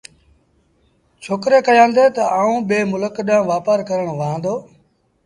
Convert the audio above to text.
ڇوڪري ڪهيآݩدي تا آئوݩ ٻي ملڪ ڏآݩهݩ وآپآر ڪرڻ وهآݩ دو